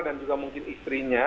dan juga mungkin istrinya